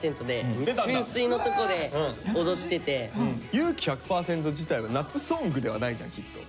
「勇気１００％」自体は夏ソングではないじゃんきっと。